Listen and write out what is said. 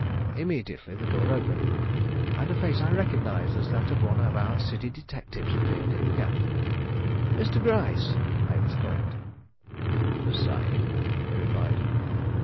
Immediately the door opened, and a face I recognized as that of one of our city detectives appeared in the gap. "Mr. Gryce!" I exclaimed. "The same," he replied.